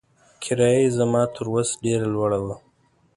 کرایه یې زما تر وس ډېره لوړه وه.